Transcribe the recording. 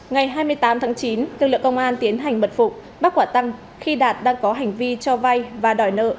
ngày hai mươi tám tháng chín tương lượng công an tiến hành bật phụ bắt quả tăng khi đạt đang có hành vi cho vay và đòi nợ